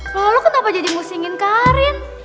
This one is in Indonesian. loh lo kenapa jadi ngusingin karin